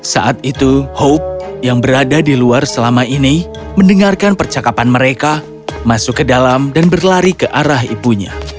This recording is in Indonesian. saat itu hope yang berada di luar selama ini mendengarkan percakapan mereka masuk ke dalam dan berlari ke arah ibunya